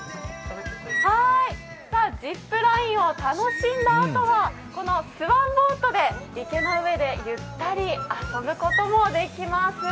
ジップラインを楽しんだあとは、このスワンボートで池の上でゆったり遊ぶこともできます。